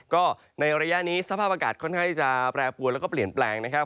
ก็ในระยะนี้สภาพอากาศค่อนข้างที่จะแปรปวนแล้วก็เปลี่ยนแปลงนะครับ